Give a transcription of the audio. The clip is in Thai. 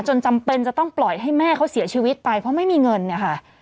จำเป็นจะต้องปล่อยให้แม่เขาเสียชีวิตไปเพราะไม่มีเงินเนี่ยค่ะ